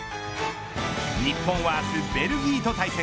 日本は明日、ベルギーと対戦。